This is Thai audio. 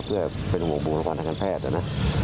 เป็นของบุคลากรทางการแพทย์